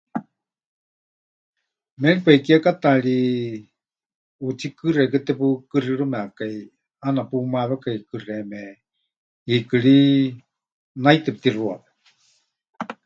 Méripai kiekátaari ʼutsíkɨ xeikɨ́a tepukɨxírɨmekai, ʼaana pumaawekai kɨxeéme, hiikɨ ri naitɨ pɨtixuawe.